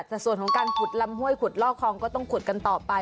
แต่ส่วนของการขุดลำห้วยขุดลอกคลองก็ต้องขุดกันต่อไป